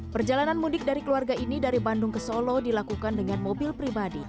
perjalanan mudik dari keluarga ini dari bandung ke solo dilakukan dengan mobil pribadi